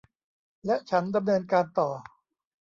และฉันดำเนินการต่อ